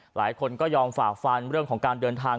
หลายคนก็ยอมฝากฟันเรื่องของการเดินทาง